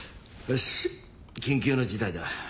よし緊急の事態だ。